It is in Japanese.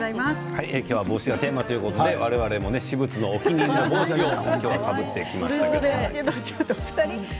今日は帽子がテーマということで我々も私物のお気に入りの帽子をかぶってきました。